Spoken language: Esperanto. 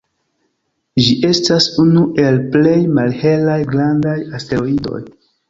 Ĝi estas unu el plej malhelaj grandaj asteroidoj.